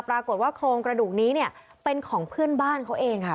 ปรากฏว่าโครงกระดูกนี้เนี่ยเป็นของเพื่อนบ้านเขาเองค่ะ